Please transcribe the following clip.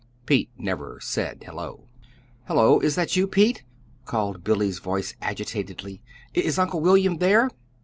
Pete never said "hello." "Hello. Is that you, Pete?" called Billy's voice agitatedly. "Is Uncle William there?"